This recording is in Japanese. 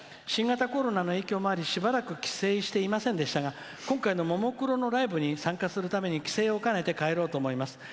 新型コロナの影響もありしばらく帰省していませんでしたが今回のももクロのライブに参加するために帰省をかねて帰ろうと思います。